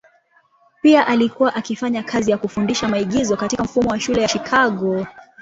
Pia alikuwa akifanya kazi ya kufundisha maigizo katika mfumo wa shule ya Chicago.